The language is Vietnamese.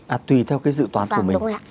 à tùy theo cái dự toán của mình